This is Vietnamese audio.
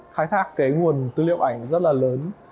khái thác nguồn tư liệu ảnh rất là lớn